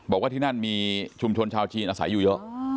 บอกว่าที่นั่นมีชุมชนชาวจีนอาศัยอยู่เยอะ